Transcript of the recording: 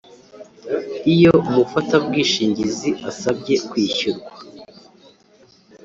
Iyo umufatabwishingizi asabye kwishyurwa